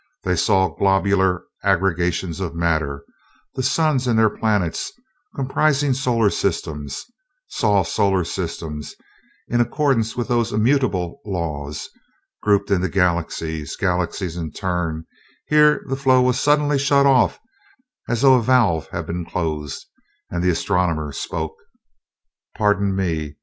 They saw globular aggregations of matter, the suns and their planets, comprising solar systems; saw solar systems, in accordance with those immutable laws, grouped into galaxies, galaxies in turn here the flow was suddenly shut off as though a valve had been closed, and the astronomer spoke. "Pardon me.